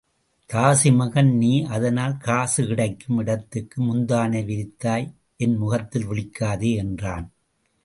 தாசிமகன் நீ அதனால் காசு கிடைக்கும் இடத்துக்கு முந்தானை விரித்தாய் என் முகத்தில் விழிக்காதே என்றான்.